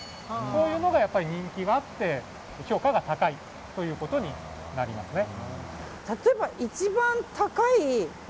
こういうのがやっぱり人気があって評価が高いということになりますね。